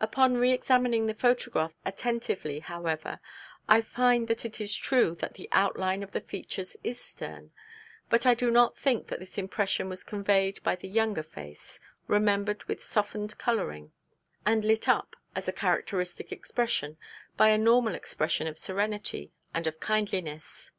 Upon re examining the photograph attentively, however, I find that it is true that the outline of the features is stern; but I do not think that this impression was conveyed by the younger face, remembered with softened colouring; and lit up, as a characteristic expression, by a normal expression of serenity and of kindliness.